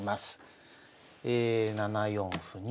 ７四歩に。